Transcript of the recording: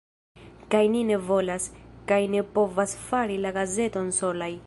Kaj ni ne volas, kaj ne povas fari la gazeton solaj.